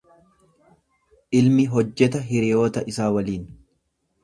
Ilmi hojjeta hiriyoota isaa waliin.